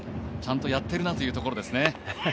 ちゃんとやってるなというところですね。